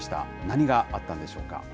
何があったんでしょうか。